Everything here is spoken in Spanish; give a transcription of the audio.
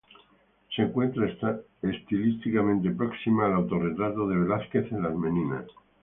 Se encuentra estilísticamente próxima al autorretrato de Velázquez en "Las Meninas".